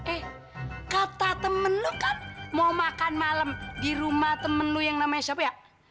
eh kata temen lu kan mau makan malam di rumah temen lu yang namanya siapa ya